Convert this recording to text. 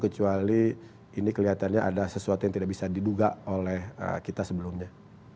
kecuali ini kelihatannya ada sesuatu yang tidak bisa diduga oleh kita sebelumnya